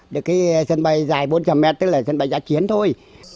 được cái sân bay dài bốn trăm linh mét tức là sân bay giã chiến thôi